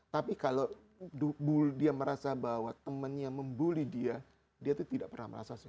tapi kalau dia merasa bahwa temannya membuli dia dia itu tidak pernah merasa senang